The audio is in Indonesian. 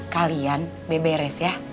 kalian beres ya